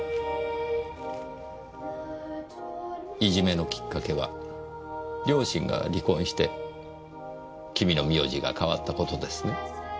いじめのきっかけは両親が離婚して君の名字が変わった事ですね？